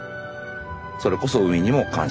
それこそ海にも感謝